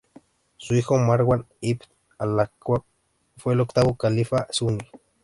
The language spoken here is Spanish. Su hijo, Marwan ibn al-Hakam fue el octavo califa sunní.